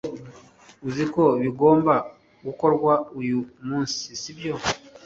Uzi ko bigomba gukorwa uyu munsi sibyo